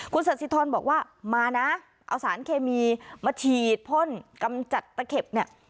คุณสัสสิทรบอกว่ามานะเอาสารเคมีมาฉีดพ่นกำจัดตะเข็บเนี่ย